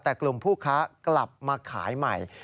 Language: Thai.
แต่กลุ่มผู้ค้ากลับมาขายใหม่